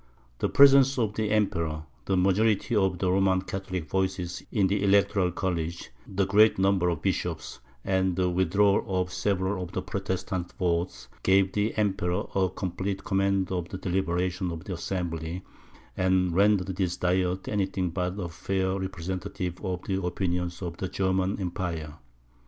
The presence of the Emperor, the majority of the Roman Catholic voices in the Electoral College, the great number of bishops, and the withdrawal of several of the Protestant votes, gave the Emperor a complete command of the deliberations of the assembly, and rendered this diet any thing but a fair representative of the opinions of the German Empire.